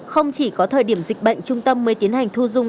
không chỉ có thời điểm dịch bệnh trung tâm mới tiến hành thu dung